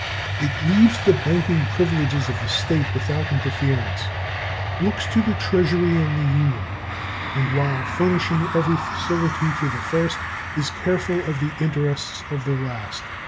It leaves the banking privileges of the States without interference, looks to the Treasury and the Union, and while furnishing every facility to the first is careful of the interests of the last.